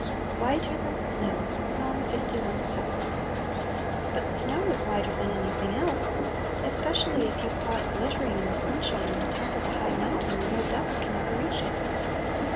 "Whiter than snow."— Ps. li. 7. BUT snow is whiter than any thing else ! Especially if you saw it glittering in the sunshine on the top of a high mountain, where no dust can ever reach it.